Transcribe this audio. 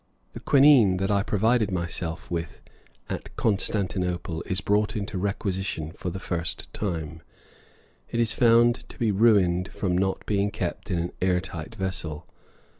The quinine that I provided myself with at Constantinople is brought into requisition for the first time; it is found to be ruined from not being kept in an air tight vessel.